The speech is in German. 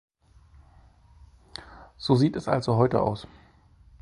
So sieht es also heute aus.